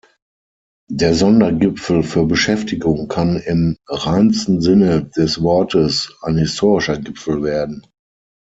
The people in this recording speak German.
Der Sondergipfel für Beschäftigung kann im reinsten Sinne des Wortes ein historischer Gipfel werden.